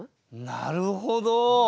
なるほど。